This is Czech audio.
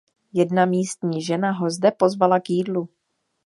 Jedna místní žena ho zde pozvala k jídlu.